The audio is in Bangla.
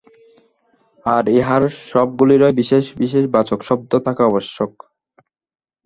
আর ইহার সবগুলিরই বিশেষ বিশেষ বাচক শব্দ থাকা আবশ্যক।